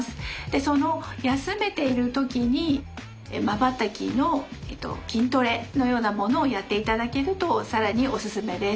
その休めている時にまばたきの筋トレのようなものをやっていただけると更にオススメです。